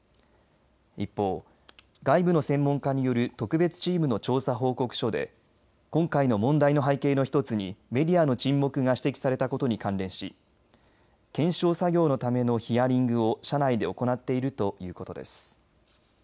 一方、外部の専門家による特別チームの調査報告書で今回の問題の背景の１つにメディアの沈黙が指摘されたことに関連し検証作業のためのヒアリングを社内で行っているということです。